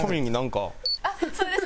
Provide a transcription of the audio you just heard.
あっそれです。